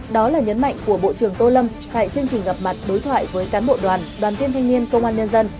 đó là nhấn mạnh của bộ trưởng tô lâm tại chương trình gặp mặt đối thoại với cán bộ đoàn đoàn viên thanh niên công an nhân dân